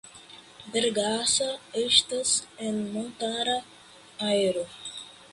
Bergasa estas en montara areo.